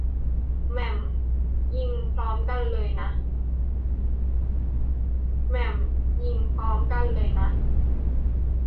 แม่ม ! ยิงพร้อมกันเลยนะ